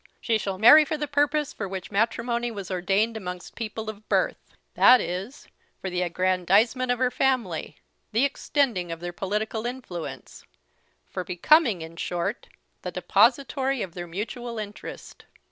She shall marry for the purpose for which matrimony was ordained amongst people of birth that is, for the aggrandisement of her family, the extending of their political influence for becoming, in short, the depository of their mutual interest.